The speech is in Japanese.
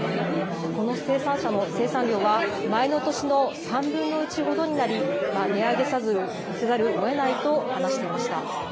この生産者の生産量は、前の年の３分の１ほどになり、値上げせざるをえないと話していました。